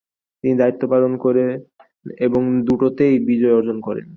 তিনি দায়িত্ব পালন করেন এবং দুটোতেই বিজয় অর্জন করেন।